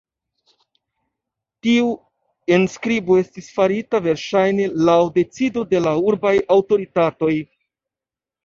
Tiu enskribo estis farita verŝajne laŭ decido de la urbaj aŭtoritatoj.